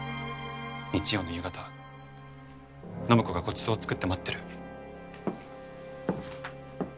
日曜の夕方暢子がごちそうを作って待ってる。